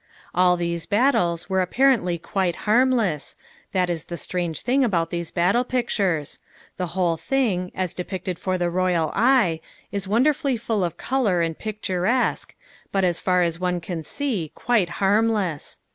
All of these battles were apparently quite harmless, that is the strange thing about these battle pictures: the whole thing, as depicted for the royal eye, is wonderfully full of colour and picturesque, but, as far as one can see, quite harmless.